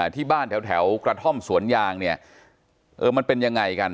ที่บ้านแถวกระท่อมสวนยางเนี่ยเออมันเป็นยังไงกัน